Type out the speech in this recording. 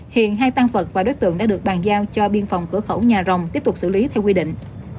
hiện hai tan vật và đối tượng đã được bàn giao cho biên phòng cửa khẩu nhà rồng tiếp tục xử lý theo quy định